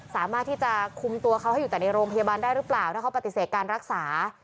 สามารถที่จะคุมตัวเขาให้อยู่แต่ในโรงพยาบาลได้หรือเปล่าถ้าเขาปฏิเสธการรักษา